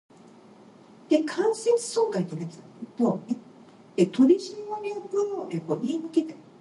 White flowers mostly form in spring and summer.